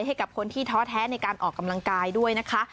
ให้กับคนที่ท้อแท้ในการออกกำลังกายด้วยนะคะ